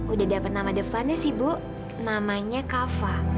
udah dapat nama depannya sih bu namanya kava